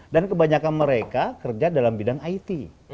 dan kebanyakan mereka kerja dalam bidang it